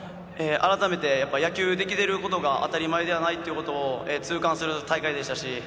改めて野球できてることが当たり前ではないということを痛感する大会でしたし